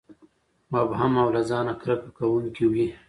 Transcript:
مبهم او له ځان نه کرکه کوونکي وي.